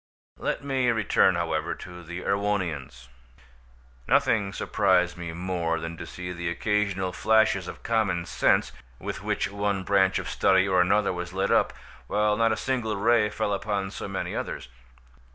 Let me return, however, to the Erewhonians. Nothing surprised me more than to see the occasional flashes of common sense with which one branch of study or another was lit up, while not a single ray fell upon so many others.